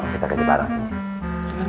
kita kejeparan sini